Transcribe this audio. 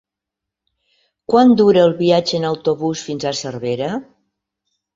Quant dura el viatge en autobús fins a Cervera?